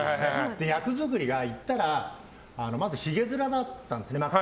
役作りが行ったらまずひげ面だったんですね。